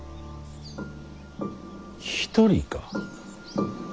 一人か？